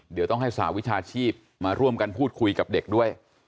เดี๋ยวต้องให้สหวิชาชีพมาร่วมกันพูดคุยกับเด็กด้วย